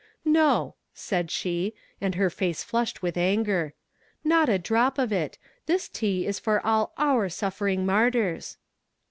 "No," said she, and her face flushed with anger; "not a drop of it; this tea is all for our suffering martyrs."